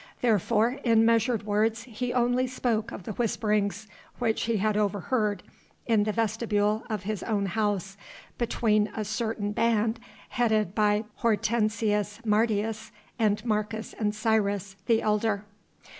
Therefore in measured words he only spoke of the whisperings which he had overheard in the vestibule of his own house, between a certain band headed by Hortensius Martius and Marcus Ancyrus, the elder.